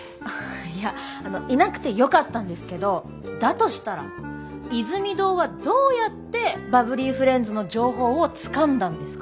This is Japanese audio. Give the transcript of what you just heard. いやあのいなくてよかったんですけどだとしたらイズミ堂はどうやってバブリーフレンズの情報をつかんだんですか？